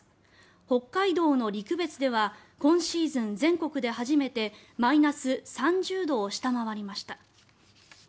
北海道の陸別では今シーズン全国で初めてマイナス３０度を下回りました。